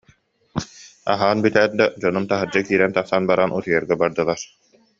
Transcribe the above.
Аһаан бүтээт да, дьонум таһырдьа киирэн-тахсан баран, утуйарга бардылар